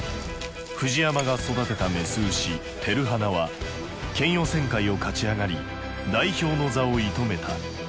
藤山が育てた雌牛「てるはな」は県予選会を勝ち上がり代表の座を射止めた。